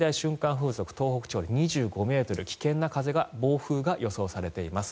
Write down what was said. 風速東北地方で２５ｍ危険な暴風が予想されています。